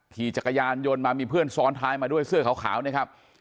ขี่จักรยานยนต์มามีเพื่อนซ้อนท้ายมาด้วยเสื้อขาวนะครับ